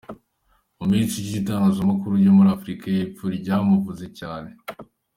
Mu minsi ishize itangazamakuru ryo muri Afurika y’Epfo ryaramuvuze cyane.